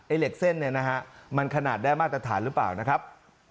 เหล็กเส้นเนี่ยนะฮะมันขนาดได้มาตรฐานหรือเปล่านะครับ